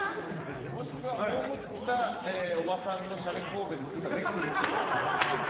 もしくは葬ったおばさんのしゃれこうべで作ったネックレスを。